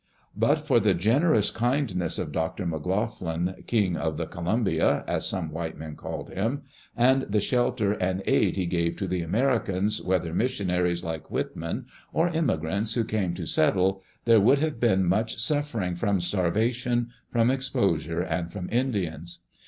But for the generous kindness of Dr. McLoughlin, "King of the Columbia," as some white men called him, and the shelter and aid he gave to the Americans, whether missionaries like Whitman or immigrants who came to settle, there would have been much suffering from starva tion, from exposure, and from Indians.